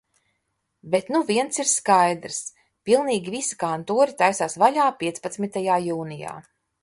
Bet nu viens ir skaidrs – pilnīgi visi kantori taisās vaļā piecpadsmitajā jūnijā.